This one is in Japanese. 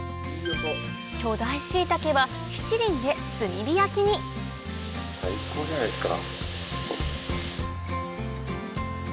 巨大シイタケは七輪で炭火焼きに最高じゃないですか。